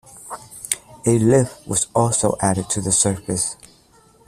A lift was also added to the surface.